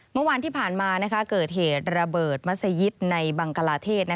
เมื่อวานที่ผ่านมาเกิดเหตุระเบิดมัศยิตในบังกลาเทศ